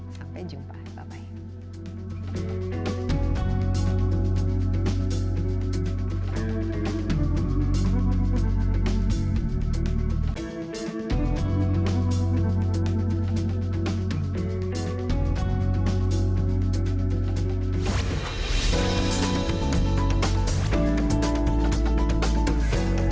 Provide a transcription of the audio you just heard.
sampai jumpa bye bye